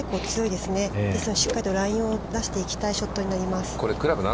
ですがしっかりラインを出していきたいショットになります。